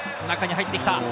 中に入ってきた。